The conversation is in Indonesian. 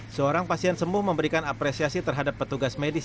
seorang pasien sembuh memberikan apresiasi terhadap petugas medis